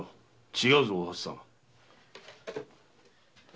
違うぞお初さん。